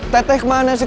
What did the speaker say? tete kemana sih